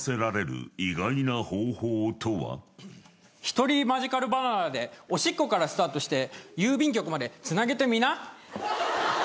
ひとりマジカルバナナでおしっこからスタートして郵便局までつなげてみな。